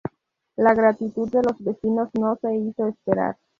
La gratitud de los vecinos no se hizo esperar.